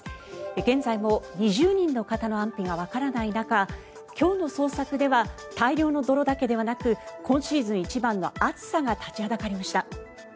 現在も２０人の方の安否がわからない中今日の捜索では大量の泥だけではなく今シーズン一番の暑さが立ちはだかりました。